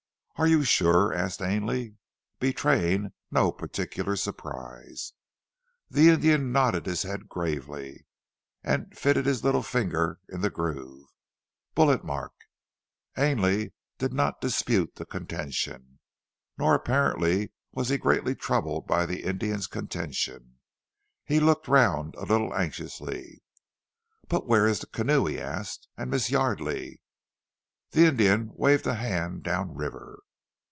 "Are you sure?" asked Ainley, betraying no particular surprise. The Indian nodded his head gravely, and fitted his little finger in the groove. "Bullet mark!" Ainley did not dispute the contention, nor apparently was he greatly troubled by the Indian's contention. He looked round a little anxiously. "But where is the canoe?" he asked. "And Miss Yardely?" The Indian waved a hand down river.